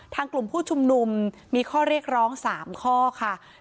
กลุ่มผู้ชุมนุมมีข้อเรียกร้อง๓ข้อค่ะ